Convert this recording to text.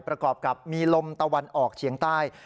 ประกอบกับมีลมตะวันออกเฉียงใต้